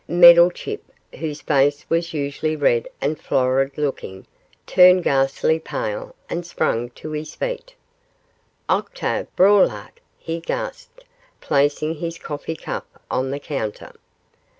Meddlechip, whose face was usually red and florid looking, turned ghastly pale, and sprang to his feet. 'Octave Braulard!' he gasped, placing his coffee cup on the counter.